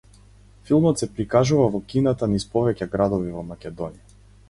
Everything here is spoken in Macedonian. Филмот се прикажува во кината низ повеќе градови во Македонија.